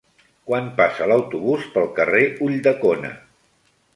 Quan passa l'autobús pel carrer Ulldecona?